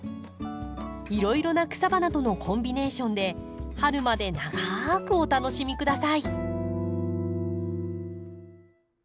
いろいろな草花とのコンビネーションで春まで長くお楽しみ下さい。